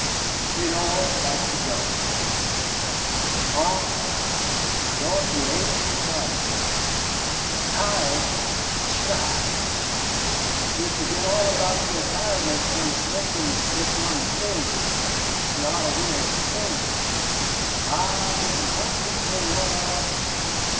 "We 'd all like to go," he said. "Ma, we' ll go if you ain't too tired." "Tired? Pshaw, you 'll furgit all about your tiredness when Smithkins gits on the stage. Y' ought to hear him sing, 'I bin huntin' fu' wo'k'!